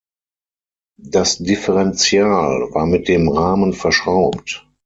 Das Differenzial war mit dem Rahmen verschraubt.